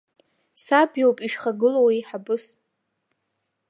Саб иоуп ишәхагылоу еиҳабыс.